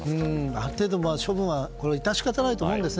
ある程度の処分は致し方ないと思います。